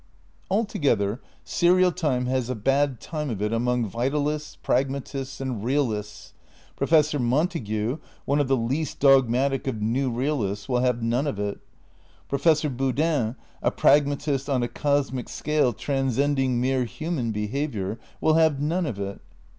Altogether serial time has a bad time of it among vitalists, pragmatists and realists. Professor Mon tague, one of the least dogmatic of new realists, will have none of it. Professor Boodin, a pragmatist on a cosmic scale transcending mere human behaviour, will have none of it.